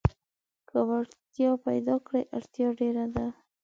که وړتيا پيداکړې اړتيا ډېره ده.